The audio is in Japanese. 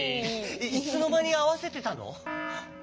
いつのまにあわせてたの？